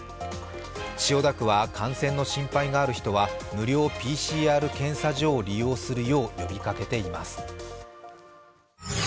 千代田区は感染の心配がある人は無料ＰＣＲ検査所を利用するよう呼びかけています。